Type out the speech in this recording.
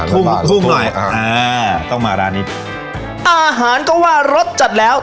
ุ่มทุ่มหน่อยอ่าต้องมาร้านนี้อาหารก็ว่ารสจัดแล้ว